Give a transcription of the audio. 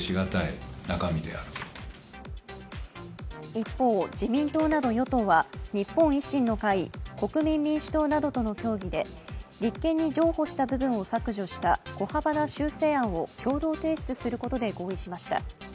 一方、自民党など与党は日本維新の会、国民民主党などとの協議で立憲に譲歩した部分を削除した小幅な修正案を共同提出することで合意しました。